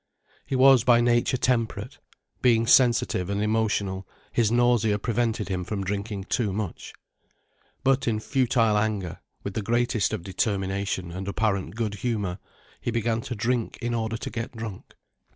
He was by nature temperate. Being sensitive and emotional, his nausea prevented him from drinking too much. But, in futile anger, with the greatest of determination and apparent good humour, he began to drink in order to get drunk.